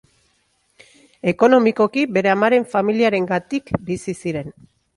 Ekonomikoki bere amaren familiarengatik bizi ziren.